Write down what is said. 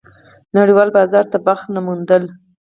نړېوال بازار ته بخت نه موندلی.